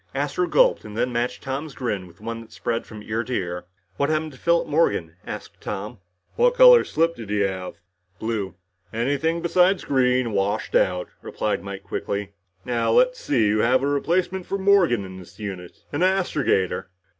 Astro gulped and then matched Tom's grin with one that spread from ear to ear. "What happened to Philip Morgan?" asked Tom. "What color slip did he have?" "Blue." "Anything besides green washed out," replied Mike quickly. "Now let's see, you have a replacement for Morgan in this unit. An astrogator."